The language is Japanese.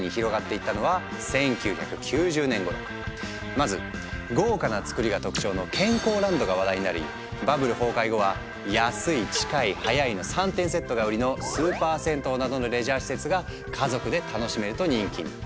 まず豪華な造りが特徴の健康ランドが話題になりバブル崩壊後は「安い近い早い」の３点セットが売りの「スーパー銭湯」などのレジャー施設が家族で楽しめると人気に。